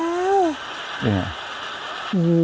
นี่ไง